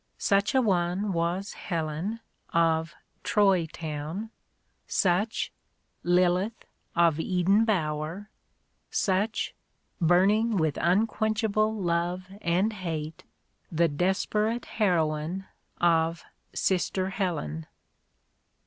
Such a one was Helen of Troy Town — such, Lilith of Eden Bower: such — burning with unquenchable love and hate, the desperate heroine of Sister Helen.